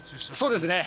そうですね。